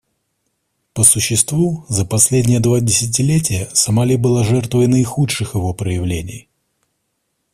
По существу за последние два десятилетия Сомали была жертвой наихудших его проявлений.